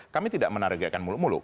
kami tidak menargetkan mulu mulu